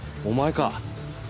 お前か。